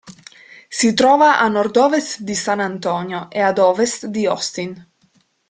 Si trova a nord-ovest di San Antonio e ad ovest di Austin.